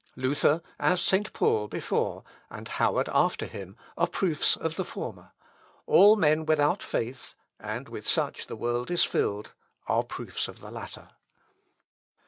Luther, as St. Paul before, and Howard after him, are proofs of the former; all men without faith (and with such the world is filled) are proofs of the latter.